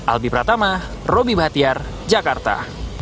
albi pratama robby bhatiar jakarta